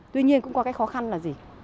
tuy nhiên cũng có cái khó khăn là gì